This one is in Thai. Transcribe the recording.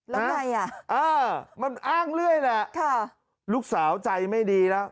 แล้วไงอ่ะเออมันอ้างเรื่อยแหละลูกสาวใจไม่ดีแล้ว